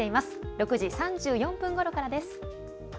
６時３４分ごろからです。